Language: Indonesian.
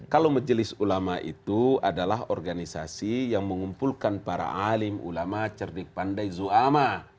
kalau majelis ulama itu adalah organisasi yang mengumpulkan para alim ulama cerdik pandai zuama ⁇